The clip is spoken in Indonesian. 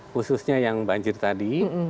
khususnya yang banjir tadi